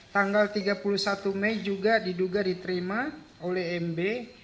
tanggal tiga puluh satu mei juga diduga diterima oleh mb